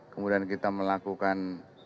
kemudian kita melakukan